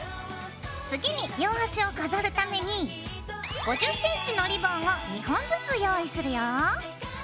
次に両端を飾るために５０ｃｍのリボンを２本ずつ用意するよ。